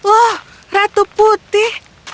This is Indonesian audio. oh ratu putih